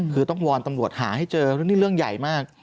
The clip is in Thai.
คือต้องวอนตำรวจหาให้เจอเรื่องนี้เรื่องใหญ่มาก